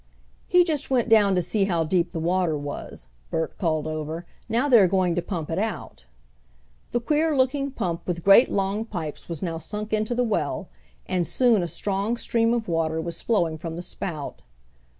"He just went down to see how deep the water was," Bert called over. "Now they are going to pump it out." The queer looking pump, with great long pipes was now sunk into the well, and soon a strong stream of water was flowing from the spout.